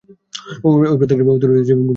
ঐ প্রত্যেকটি উত্তরই যে ভ্রমপূর্ণ, তাহা নহে।